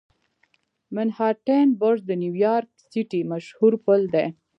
منهاټن برج د نیویارک سیټي مشهور پل دی.